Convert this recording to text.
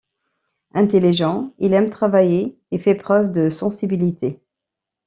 Intelligent, il aime travailler et fait preuve de sensibilité.